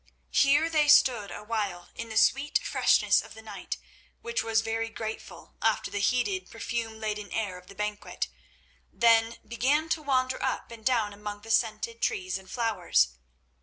Here they stood awhile in the sweet freshness of the night, which was very grateful after the heated, perfume laden air of the banquet; then began to wander up and down among the scented trees and flowers.